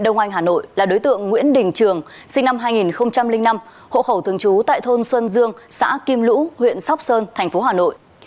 đây là đối tượng nguyễn đình trường sinh năm hai nghìn năm hộ khẩu thường trú tại thôn xuân dương xã kim lũ huyện sóc sơn thành phố hà nội